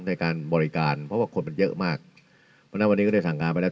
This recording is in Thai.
ในการบริการเพราะว่าคนมันเยอะมากเพราะฉะนั้นวันนี้ก็ได้สั่งการไปแล้ว